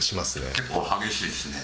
結構激しいっすね。